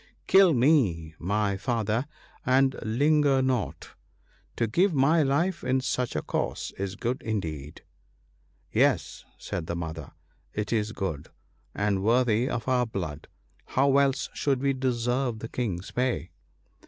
Kill me, my father, and linger not ; to give my life in such a cause is good indeed/ ' Yes,' said the Mother, ' it is good, and worthy of our blood; how else should we deserve the King's pay